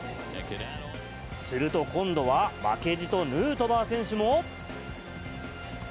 すると、今度は、負けじとヌートバー選手も。